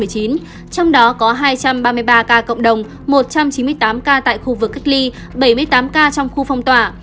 trong đó có hai trăm ba mươi ba ca cộng đồng một trăm chín mươi tám ca tại khu vực cách ly bảy mươi tám ca trong khu phong tỏa